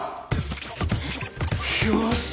よし！